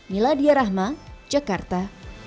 miladia rahma jakarta